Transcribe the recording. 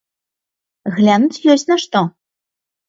Глянуць ёсць на што.